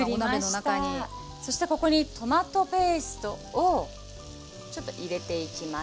そしてここにトマトペーストをちょっと入れていきます。